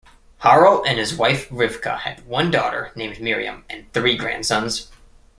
Harel and his wife Rivka had one daughter, named Miriam, and three grandsons.